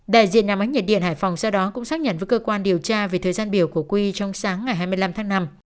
đại diện nhà máy nhiệt điện hải phòng sau đó cũng xác nhận với cơ quan điều tra về thời gian biểu của quy trong sáng ngày hai mươi năm tháng năm